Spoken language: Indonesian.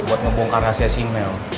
buat ngebongkar rahasia si mel